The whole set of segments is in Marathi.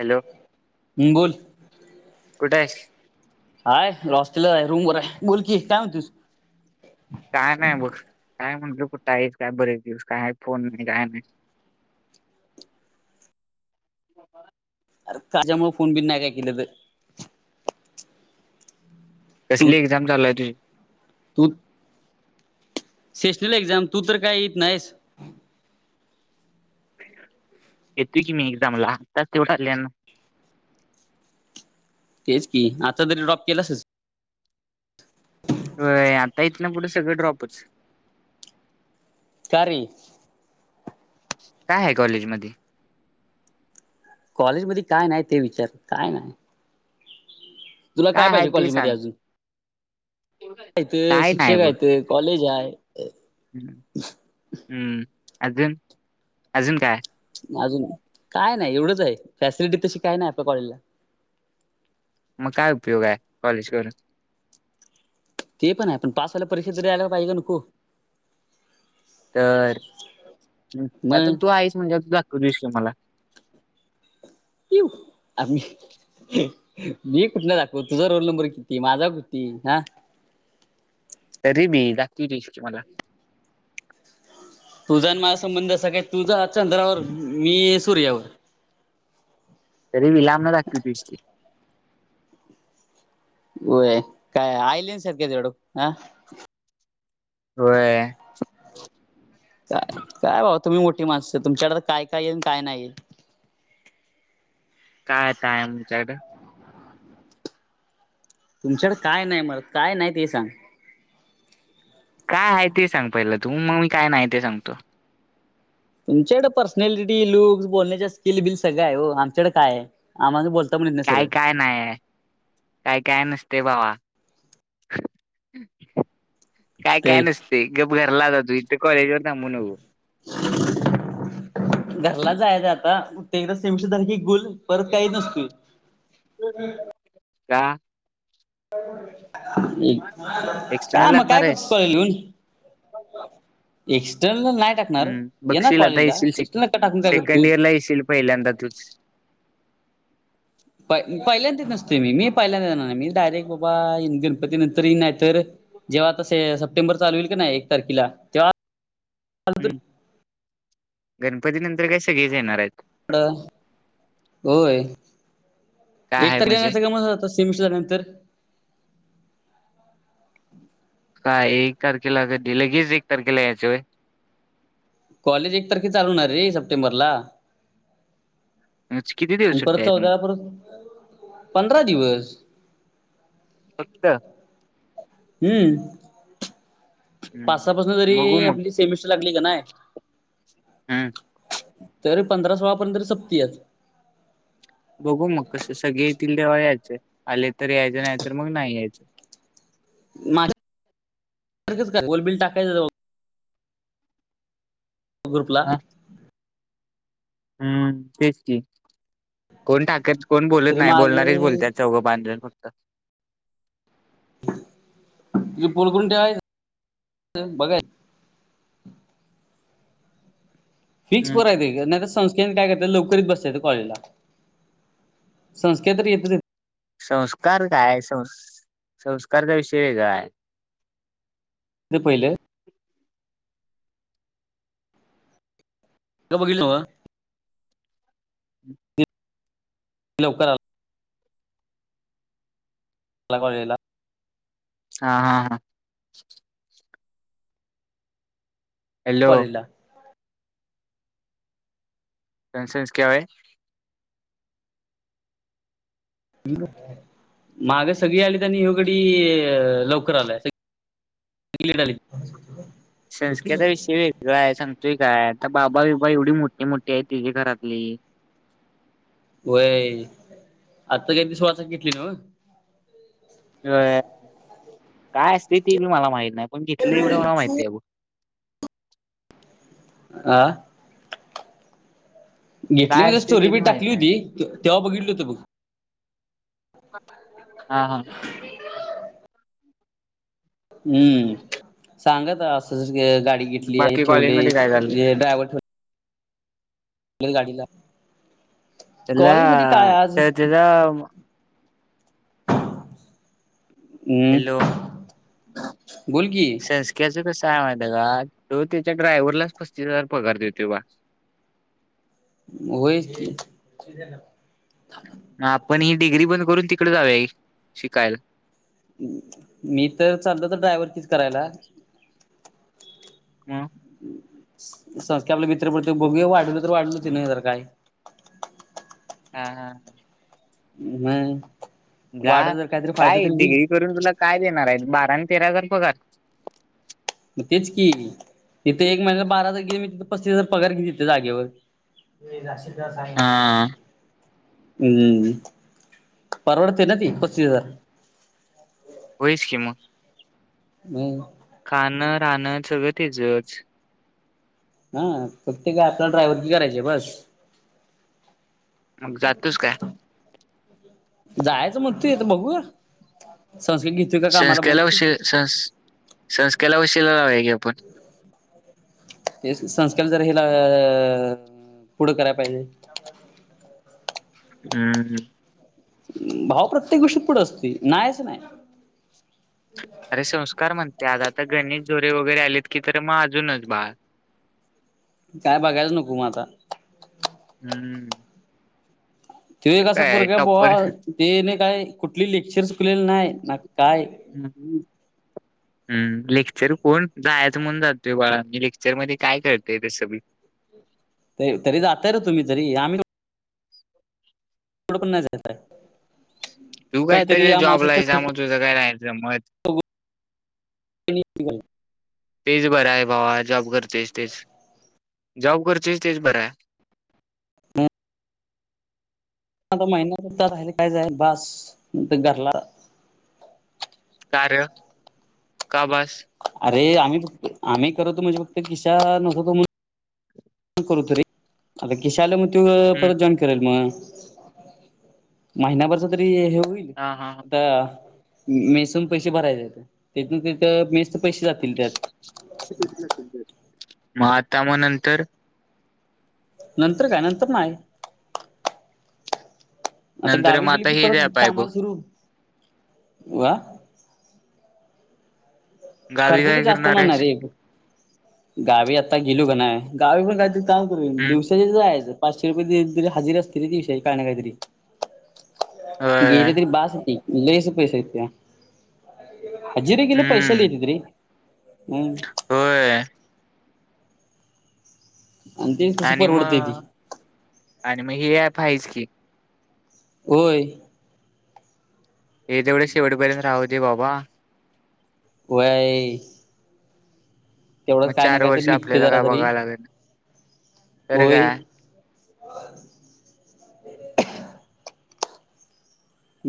हॅलो हम्म बोल कुठ हेच हाय हो स्टल आहे रूम वर आहे बोलकीी काय म्हणतीस काय नाही बघ काय म्हटलं कुठाई काय बरेच दिवस काय फोन नाही काय नाही [inaudible] अरं त्याच्यामुळे फोन बी नाही केले तर. कसली एक्झाम चालूये तुझी. तु सेशनल एक्झाम तू तर काय येत नाहीस येतोय की नाही एक्झामला तरच तेवढंाले ना तेच की आता तरी ड्रॉप केलाच हो आता इेथ ना पुढे सगळं ड्रॉपच चारी. काय आहे कॉलेज मध्ये. कॉलेजमध्ये काय नाही ते विचार. काय नाही, तुला काय आहे पाहिजे ते कॉलेजमध्ये सांग अजून, काय शिक्षक आहेत. कॉलेज हाय. हम् अजून अजून काय. अजून. काय नाही, एवढंच आहे. फॅसिलिटी तशी काय नाही आपल्या कॉलेजला. मग काय उपयोग आहे कॉलेज करून. ते पण आहे, पण पास व्हायला परीक्षेत तरी यायला पाहिजे नको. तर आता मग तू आहेस म्हणजे त दाखवून देशील मला. किऊ आम्ही. मी कुठला दाखवतो तुझा रोल नंबर किती माझा किती हा तरी बी दाखवून देशील तू मला. तुझा आणि माझा संबंध असा कि, तुझा चंद्रावर मी सूर्यावर. तरी बि लांब न दाखवीतीस की. होय, काय आयलेन्स आहे तुझ्या कडं. होय. चालेल. काय भावा तुम्ही मोठी माणसं, तुमच्याकडे काय काय आहे काय नाहीये. काय काय आमच्याकडे. तुमच्याकडं काय नाही मग, काय नाही ते सांग. काय आहे ते सांग पहिलं तू. मग मी काय नाही ते सांगतो. तुमच्याकडे पर्सनॅलिटी लुक्स बोलण्याच्या स्किल बिल सगळं आहे हो. आमच्याकडं काय आहे. आम्हाला बोलता पण येत नाही काय सरळ. काय नाही आहे. काय काय नसते भावा. काय काय ते नसते. गप घरला जा आता तू, इथे कॉलेज वर थांबू नको. [inaudible] घरला जायच आता. ते एकदा सेमशसारखी गुल परत काही येत नसतो. [inaudible] का. एक्सटर्नल काय मग लागणार काय आहेस करतोस कॉलेजला येऊन. एक्स्टर्नल नाही टाक. हम्म. बघशील आता येशील, टाकून काय सेकंड करतोस. इयर ला येशील पहिल्यांदा तूच. पय पहिल्यांदा नसतोय मी. मी पहिल्यांदा नाही येणार. मी डायरेक्ट बाबा इन गणपती नंतर येईन नाहीतर. जेव्हा तसे सप्टेंबर चालू होइल की नाही, एक तारखेला तेव्हा हम्म गणपती नंतर काय सगळेच येणार आहेत. होय. काय आहे एकटा म्हणजे गेलास सगळे मिळून जातोस. तीन दिवसानंतर. काय एक तारखेला अग दिलं लगेच एक तारखेला यायच व्हयं. कॉलेज एक तारखेला चालू होणार रे सप्टेंबर ला. आज किती दिवस परत सुट्ट्या आहेत मग चौदाला परत पंधरा दिवस. फक्त. हम्म. पाच हम्म सहापासून बघू जरी मग आपली सेमिस्टर लागली का नाय. हम्म तरी पंधरा सोळापर्यंत संपतीये. बघू मग कसं सगळे येतील तेव्हा यायचं. आले तर यायचं नाही तर मग नाही यायचं. माझ का गोलबिल टाकायचं. ग्रुपला हा हम्म तेच की कोण टाकत कोण बोलत तरी नाही मागे बोलणारच बोलत चौघं पाचजण फक्त [unintelligible] तुझे पोलकुंट आहे बघाय [unintelligible] फिक्सराय हम्म का नाही [unintelligible] संस्थे काय करत लवकरच बसत येत कॉलेजला संकेत तर येतच येत [unintelligible] संस्कार काय आहे सं संस्कारचा विषय काय [unintelligible] इ पले [unintelligible] का बघितलं [unintelligible] लवकर [unintelligible] ला [unintelligible] हा हा हा [unintelligible] हॅलो पला [unintelligible] सनसेनस क्यावाय [unintelligible] माग सगळी आली त्यांनी हगडी अ लवकर आलाय [unintelligible] हंगलीडली [inaudible] [inaudible] [unintelligible] संस्कृत विषय व [unintelligible] तय सांगतोय काय आता बाबा बबा एवढी मोठी मोठी आहे तिी घरातली [unintelligible] वय आत्ता त्यांनी स्वचा घेतली ना [unintelligible] अ काय असते ती बी मला माहत नाही पण घथले एवढे मला माहिती आहे अ [unintelligible] आ [unintelligible] घेतली काय म्हणजे असते स्टोरी ते बी रिपीट माहित टाकली नाही होती तेव्हा बघितली बग [unintelligible] हा हा [unintelligible] हम्म सांगाात असं गाडी घेतली आहे बाकी ठेवले कॉलेजमध्ये काय चाललंय ड्रायव्हर ठेव गाडीला कॉलेज मध्ये काय आज [unintelligible] हम [unintelligible] हम् हॅलो बोल कि [unintelligible] क्याचं कस आहे मा का तो त्याच्या ड्रायव्हरलाच पस्तीस हजार पगार देतो बा [unintelligible] होचच [unintelligible] आपण ही डिग्री बंद करून तिकडे जावे शिकायला [unintelligible] मी तर चालतो तर ड्रायव्हर कच करायला [unintelligible] हम [unintelligible] संस्कार आपलं मित्र पडत भोग वाढल तर वाढलच नाही जर काय [unintelligible] हा हा हा [unintelligible] हम्म [unintelligible] जा काय डिग्री करून तुला काय देणार आहे बारा आणि तेरा हजार पगार [unintelligible] मग तेच केली तिथे एक महिन्याला बारा हजार गेली मी तिथ पस्तीस हजार पगार घातली जागेवर [unintelligible] ते जाशी सां [unintelligible] हा हम्म परवडते न पस्तीस हजार [unintelligible] होस कि म [unintelligible] म [unintelligible] खाणं राहणं सगळं तेचच [unintelligible] हा प्रत्येक आपला ड्रायव्हर की करायचे बस [unintelligible] मग जातोच काय [unintelligible] जायचं म तूेत बघू संस्कृत [unintelligible] संस्कारला उशी संस्कारला वशिला लावागे आपण [unintelligible] ते संस्कार जर हिला अ पुढं करायला पाहिजे [unintelligible] हम्म हम [unintelligible] भाऊ प्रत्येक गोष्टीत पुढं असते नाहीच नाही [unintelligible] अरे संस्कार म्हणते आता आता गणेश झोरे वगैरे आलेत की तर मग अजूनच बा [unintelligible] काय बघायचं नको मग आता [unintelligible] हम्म [unintelligible] ते एक अस काय पोरग आहे बुवा टॉपर तेने काय कुठली लेक्चर बसलेले नाही ना काय. हम्. हम्म, लेक्चर कोण जायचं म्हणून जातय. बाळा लेक्चर मध्ये काय कळतेय तसं बी. व्हय. तरी जाताय ना तुम्ही तरी, आम्ही थोडं पण नाही जात आहे. तू काय तरी जॉबला अमावस्येच्या आहेस. त्यामुळे तुझ काय नाही मत त [unintelligible] तेच बरं आहे भावा. जॉब करतेस तेच, जॉब करतेस तेच बरं आहे. आता महिना सुद्धा राहिले कायचय बास घरला का रं का बास? अरे आम्ही फक्त आम्ही करतो. म्हणजे फक्त किश्या नको का म्हणून, करत होतो रे. आता किश्या आला मग तो हम्म परत जॉइन करल. मग महिन्याभरच तरी हे होईल. हा हा हा आता मेसून पैसे भरायच. तिथून तिथं मेसच पैसे जातील की त्यात, मग आता मग नंतर, नंतर काय, नंतर नाही. आता नंतर गावी मग गेले की हे परत द्या पाय बघ कामाल सुरू वा. गावी खर्चाच काय जास्त करणार ना ना आहेस रे. गावी आता गेलो का नाही. गावी पण काय तरी काम करेन. हम्म दिवसा होतय तिथ जायचं. पाचशे रुपये तरी हजेरी असते रे दिवसाची काय ना काहीतरी. होय गेले तरी बास होतय लय अस पैसे येते. हजेरी ला गेले. पैसे लय हम्म येत्यात रे. हम् होय. तेच कसं आणि परवडतय ती मग आणि मगं हे ऍप आहेच की. होय. ये तेवढे शेवटेपर्यंत राहुदे बाबा. व्हय. तेवढं मग काय ना चार काय वर्ष तरी निघते आपल्याला जरा काय तरी बघायला लागेल तर होय. काय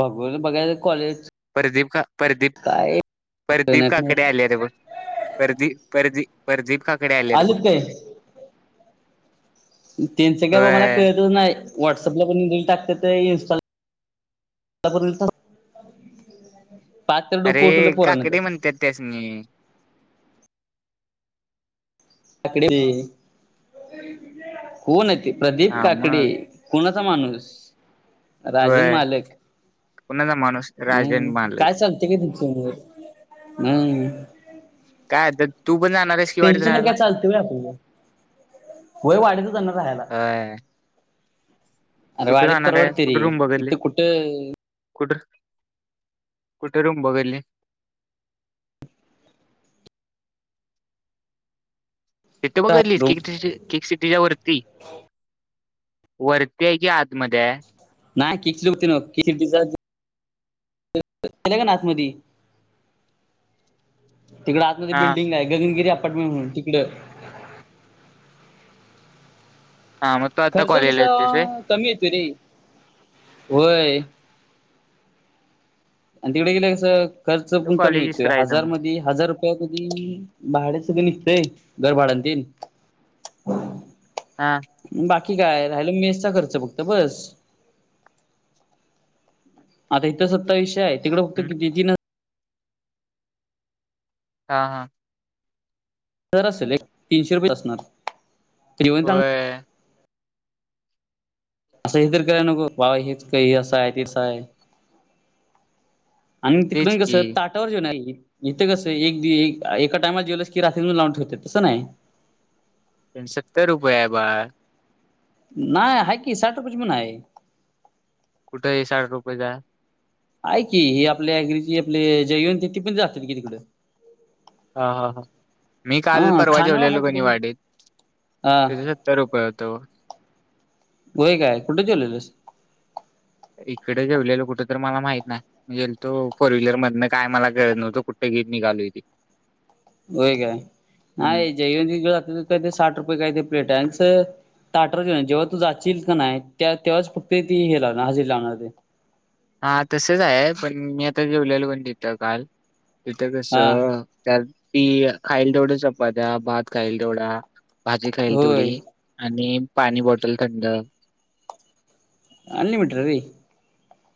बघू बघायच कॉलेज. परदीप का परदीप काय परदीप काकडे आलेरे बग परदीप परदी. प्रदीप काकडे आलेत बघ. आलीत काय त्याचं काय बाबा, मला होय कळतच नाही. व्हॉट्सअपला पण रील टाकत्यात. इन्स्टाला पण रिल तर अरे डोकं उठवलं पोरानं त्या काकडे म्हणत्यात, त्यासनी. काकडी. कोण आहेत ते प्रदीप हा काकडी. मग कोणाचा माणूस? राजन होय मालक. कोणाचा माणूस राजन हम्, मालक काय चाल ते की तुमचं. हम, काय आता तू पण जाणार आहेस की वाडीत त्यांच्यासमोर राहायला काय चालते व्हय, आपल वय वाढतच जाणार राहायला. व्हय. अरे कुठे वाडीत जाणार आहे? परवडते रे कुठे रूम बघितली? इथं कुठं कुठ? कुठ रूम बघीतली? इथ बघितलीस रूम किंग स्टेश केक सिटीच्या वरती वरती आहे कि आतमध्ये आहे. नाही केक सिटीत न्हव. केक सिटीच्या गेल की नाही आत मधी तिकडं आतमध्ये हा बिडिंग आहे. गगनगिरी अपार्टमेंट म्हणून तिकडं. हा मग तू आता खर्च कस कॉलेजला येतोयस होय कमी येतो रे. होय. आणि तिकडे गेले कसं खर्च तर पण कमी कॉलेजच होेतोय. राहायचं हजार मग मध्ये हजार कधी भाड सगळ निघतय घरभाडांतील हां बाकी काय राहिलं मेसचा खर्च फक्त बस. आता इथं सत्तावीसशे आहे तिकड फक्त हम्म किती तीन हजार हा हां असेल तीनशे रुपये असणार [unintelligible] होय असं हे तर करायला नको बाबा हेच काही असं आहे तसं आहे. आणि तेच तिकडून कस की ताट ताटावर जेवण आहे की इथं कसं एक एका टाइमला जेवलस की रात्री लावून ठेवते तस नाही. सत्तर रुपये आहे बाळ. नाही हाय की साठ रुपयांचं पण हाय. कुठंय साठ रुपयेच. आहे की ही आपल्यागची आपले जयनते ती पण ज असते की तिकडे. ह हा हं मी काल हा परवा खानावळ जेवलेलो हायत रे कीणय वाडीत. हा तिथं सत्तर रुपये होत. होय काय कुठे जेवलेलास. इकडे जेवलेलं कुठं तर मला माहित नाही. म्हणजे तो फोर व्हीलर मधन काय मला कळत नव्हतो कुठे घेेत निघालो. होय काय हम्म नाही जैव काय ते साठ रुपये काय ते प्लेट आहेच. ताटर जेव्हा तू जाशील का नाही तेव्हाच फक्त ती हे लाव हजेरी लावणार. हा तसच आहे पण मी आता जेवलेल पण तिथं काल तिथं कस हा त्या ती खाईल तेवढ्या चपात्या भात खाईल तेवढा भाजी खाईल होय तेवढी आणि पाणी बॉटल थंड. अनलीमिटेड रे.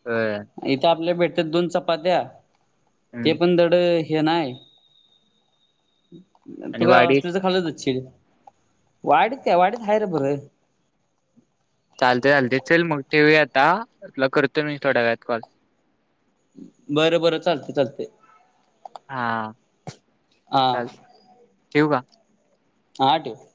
होय. इथं आपल्याला भेटतात दोन चपात्या ते हम्म. पण धड हे नाही. तु आणि का वाडी ऑस्ट्रेलच खालच असशील वाढत काय वाढत हा रे बर. चालते चालते चल मग ठेवूया आता करतो मी थोड्या वेळात कॉल. बरं बरं चालतंय चालतंय हां हा चाल ठेवू का? हां ठेव.